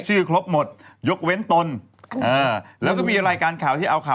ส่งไลน์เข้ามา